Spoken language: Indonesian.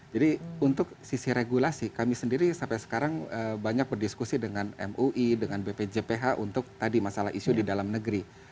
jadi untuk sisi regulasi kami sendiri sampai sekarang banyak berdiskusi dengan mui dengan bpjph untuk tadi masalah isu di dalam negeri